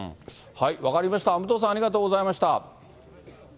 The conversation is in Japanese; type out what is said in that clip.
分かりました、武藤さん、ありがとうございました。